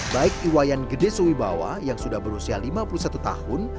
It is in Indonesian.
baik iwayan gede suwibawa yang sudah berusia lima puluh satu tahun